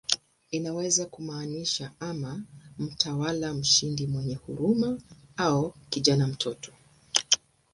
Inaweza kumaanisha ama "mtawala mshindi mwenye huruma" au "kijana, mtoto".